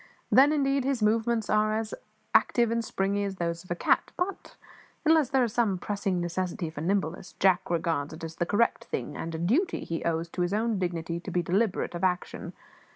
Then, indeed, his movements are as active and springy as those of a cat; but, unless there is some pressing necessity for nimbleness, Jack regards it as the correct thing and a duty he owes to his own dignity to be deliberate of action.